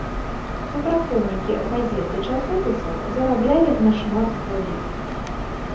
Супрацоўнікі газет ды часопісаў зараблялі нашмат болей.